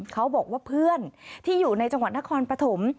เขาบอกว่าเพื่อนที่อยู่ในจังหวัดนครปฐม